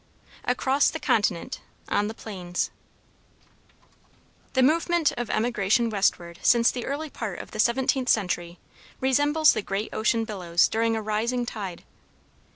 ACROSS THE CONTINENT ON THE PLAINS The movement of emigration westward since the early part of the seventeenth century resembles the great ocean billows during a rising tide.